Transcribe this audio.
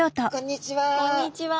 こんにちは。